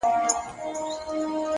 ما که څوک وژنی لاس یی هم نه نیسم